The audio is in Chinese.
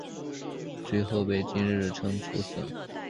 最后被金日成处死。